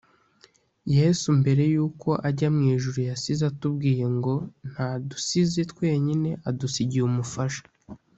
Yesu mbere yuko ajya mwijuru yasize atubwiye ngo ntadusize twenyine adusigiye umufasha